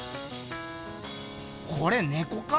これネコか？